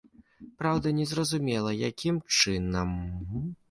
Праўда, незразумела, якім чынам.